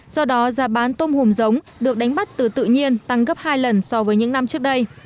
do đó giá bán tôm hùm giống được đánh bắt từ tự nhiên tăng gấp hai lần so với những năm trước đây